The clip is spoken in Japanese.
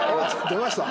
出ました。